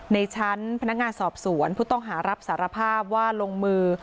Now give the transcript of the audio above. ในชั้นพนักงานสอบสวนผู้ต้องหารับสารภาพว่าลงมือ